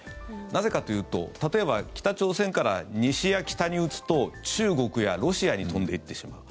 なぜかというと、例えば北朝鮮から西や北に撃つと中国やロシアに飛んでいってしまう。